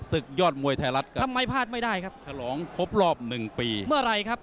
ศึกยอดมวยไทยรัฐครับทำไมพลาดไม่ได้ครับฉลองครบรอบหนึ่งปีเมื่อไหร่ครับ